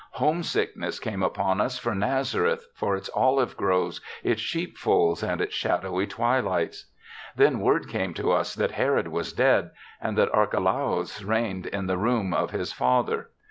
Homesickness came upon us for Nazareth, for its olive groves, its sheepfolds and its shadowy twilights. Then word came to us that Herod was dead and that Archelaus reigned in the room of his father.